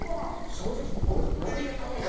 正直ごめんなさい